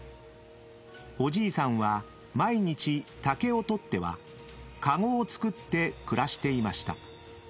［おじいさんは毎日竹を取っては籠を作って暮らしていました］